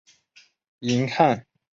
银汉鱼目为辐鳍鱼纲的其中一目。